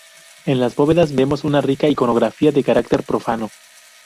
En las bóvedas vemos una rica iconografía de carácter profano.